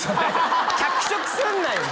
脚色すんなよ！